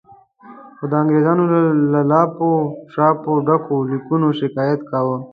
خو د انګریزانو له لاپو شاپو ډکو لیکونو شکایت کاوه.